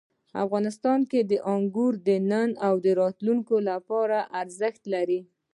افغانستان کې انګور د نن او راتلونکي لپاره ارزښت لري.